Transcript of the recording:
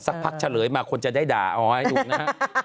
สักพักเฉลยมาคนจะได้ด่าเอาให้ดูนะฮะ